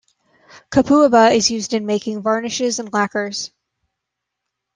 Copaiba is used in making varnishes and lacquers.